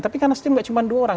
tapi kan nasdem gak cuma dua orang